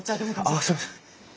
あすいません。